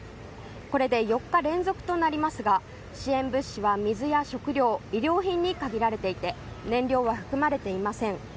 これで４日連続となりますが支援物資は水や食料、医療品に限られていて燃料は含まれていません。